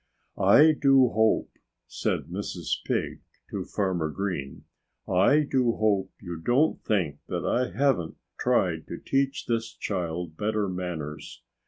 "I do hope," said Mrs. Pig to Farmer Green, "I do hope you don't think that I haven't tried to teach this child better manners."